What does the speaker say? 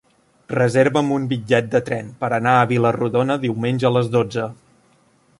Reserva'm un bitllet de tren per anar a Vila-rodona diumenge a les dotze.